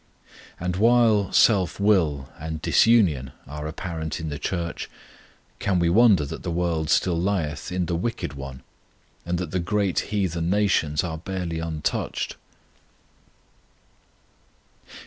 And while self will and disunion are apparent in the Church, can we wonder that the world still lieth in the wicked one, and that the great heathen nations are barely touched?